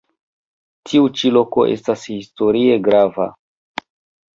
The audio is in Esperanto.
Tiu ĉi loko estas historie grava.